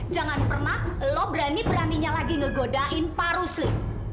jangan pernah lo berani beraninya lagi ngegodain pak rusli